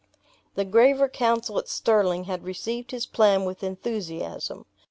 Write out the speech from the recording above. The graver council at Stirling had received his plan with enthusiasm.